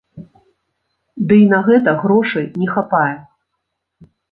Ды й на гэта грошай не хапае.